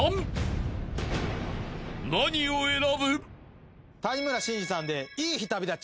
［何を選ぶ？］